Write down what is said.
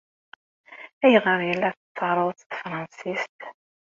Ayɣer ay la tettaruḍ s tefṛensist?